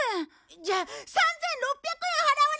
じゃあ３６００円払わなくちゃ！